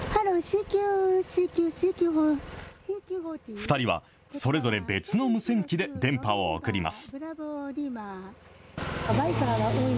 ２人はそれぞれ別の無線機で電波を送ります。